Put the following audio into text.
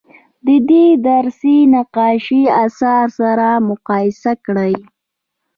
د دې درس د نقاشۍ اثار سره مقایسه کړئ.